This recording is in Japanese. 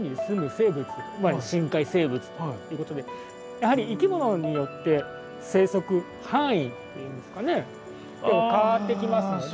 やはり生き物によって生息範囲っていうんですかね変わってきますので。